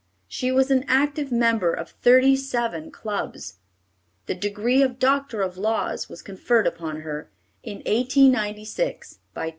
She was an active member of thirty seven clubs. The degree of Doctor of Laws was conferred upon her, in 1896, by Tufts College.